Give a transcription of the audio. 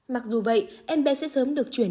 mặc dù vậy em bé sẽ sớm được chuyển